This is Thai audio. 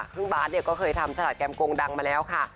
ซึ่งบาทก็เคยทำฉลาดแกรมโกงดังมาแล้วค่ะ